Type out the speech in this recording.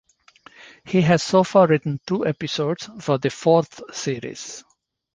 He has so far written two episodes for the fourth series.